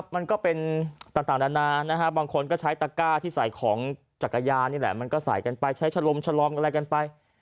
มันก็เป็นต่างนานาบางคนก็ใช้ตะก้าที่ใส่ของจักรยานนี่แหละมันก็ใส่กันไปใช้ชะลมชะลอมอะไรกันไป